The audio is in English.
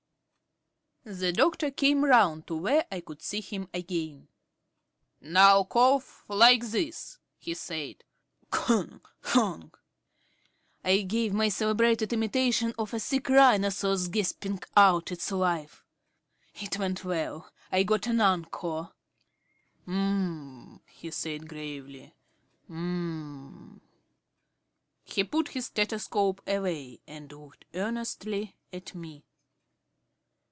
H'm! h'm! h'm!..." The doctor came round to where I could see him again. "Now cough like this," he said. "Honk! Honk!" I gave my celebrated imitation of a sick rhinoceros gasping out its life. It went well. I got an encore. "Um," he said gravely, "um." He put his stethoscope away and looked earnestly at me.